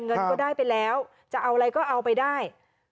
เงินก็ได้ไปแล้วจะเอาอะไรก็เอาไปได้